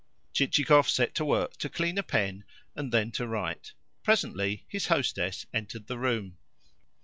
Chichikov set to work to clean a pen, and then to write. Presently his hostess entered the room.